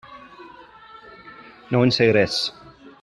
No en sé res.